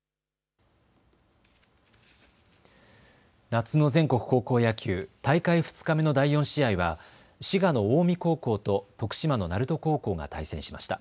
夏の全国高校野球、大会２日目の第４試合は滋賀の近江高校と徳島の鳴門高校が対戦しました。